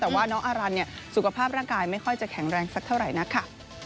แต่ว่าน้องอารันสุขภาพร่างกายไม่ค่อยจะแข็งแรงสักเท่าไหร่นักค่ะ